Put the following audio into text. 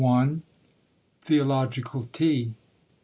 THEOLOGICAL TEA.